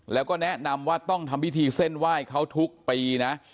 แล้วก็แนะนำว่าต้องทำพิธีเส้นไหว้เขาทุกปีนะ